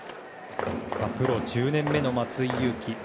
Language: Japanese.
プロ１０年目の松井裕樹。